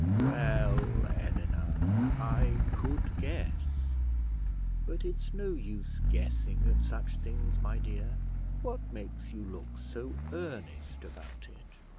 "Well, Eleanor, I could guess; but it's no use guessing at such things, my dear. What makes you look so earnest about it?"